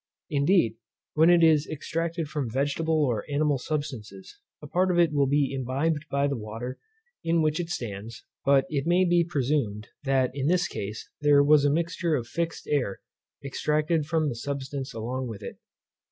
Indeed, when it is extracted from vegetable or animal substances, a part of it will be imbibed by the water in which it stands; but it may be presumed, that in this case, there was a mixture of fixed air extracted from the substance along with it.